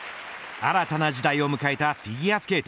新たな時代を迎えたフィギュアスケート。